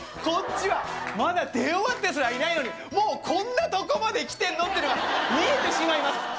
こっちはまだ出終わってすらいないのにもうこんなとこまで来てんの！？ってのが見えてしまいます